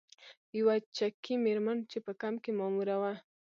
یوه چکي میرمن چې په کمپ کې ماموره وه.